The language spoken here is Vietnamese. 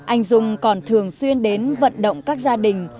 anh dung còn thường xuyên đến vận động các gia đình